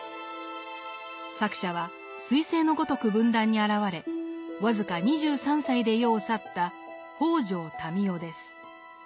作者は彗星のごとく文壇に現れ僅か２３歳で世を去った北條民雄です。